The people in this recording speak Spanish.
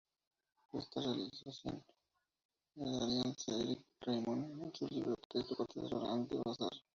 Esta relación la analiza Eric Raymond en su libro The Cathedral and the Bazaar.